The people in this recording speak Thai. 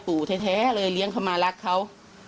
แท้เลยเลี้ยงเขามารักเขา